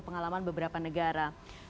pengalaman beberapa negara